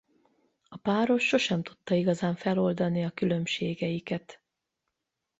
A páros sosem tudta igazán feloldani a különbségeiket.